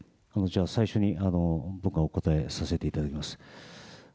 最初に僕がお答えさせていただきます。